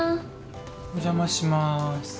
お邪魔しまーす。